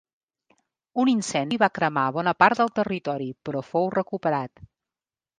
Un incendi va cremar bona part del territori però fou recuperat.